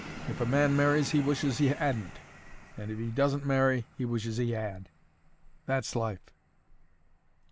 If a man marries he wishes he 'adn't, and if he doesn't marry he wishes he 'ad. That's life.